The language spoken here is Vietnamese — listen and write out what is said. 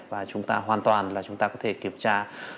và chúng ta hoàn toàn là chúng ta có thể kiểm tra